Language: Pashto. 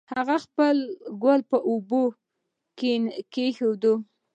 هغې خپل ګل په اوبو کې کېښود